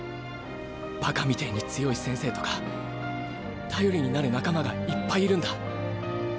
バカみてぇに強い先生とか頼りになる仲間がいっぱいいるんだ。